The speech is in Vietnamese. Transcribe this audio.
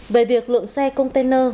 về việc lượng xe container